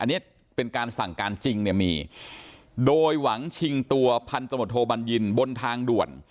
อันนี้เป็นการสั่งการจริงเนี่ยมีโดยหวังชิงตัวพันธมตโทบัญญินบนทางด่วน